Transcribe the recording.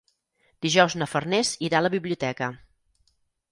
Dijous na Farners irà a la biblioteca.